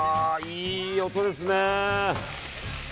いい音ですね。